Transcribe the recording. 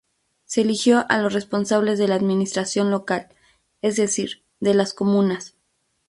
Se eligió a los responsables de la administración local, es decir, de las comunas.